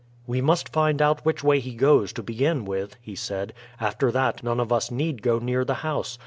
"We must find out which way he goes, to begin with," he said. "After that none of us need go near the house.